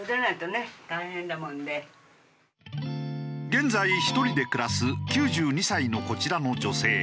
現在１人で暮らす９２歳のこちらの女性。